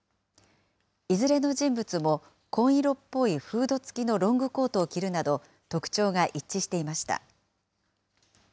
いずれの人物も、紺色っぽいフード付きのロングコートを着るなど、特徴が一致していました。